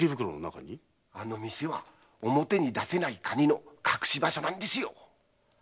あの店は表に出せない金の隠し場所なんですよ！